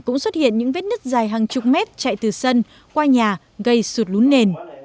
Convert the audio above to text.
cũng xuất hiện những vết nứt dài hàng chục mét chạy từ sân qua nhà gây sụt lún nền